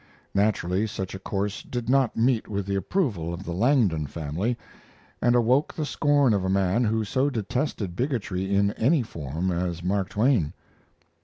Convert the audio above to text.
Naturally such a course did not meet with the approval of the Langdon family, and awoke the scorn of a man who so detested bigotry in any form as Mark Twain.